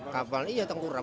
kapal iya tengkurap